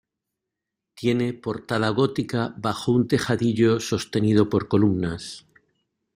Tiene portada gótica bajo un tejadillo sostenido por columnas.